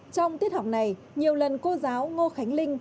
trong tiết học này nhiều lần cô giáo ngô khánh linh